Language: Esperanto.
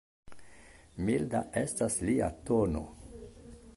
Milda estas lia tono.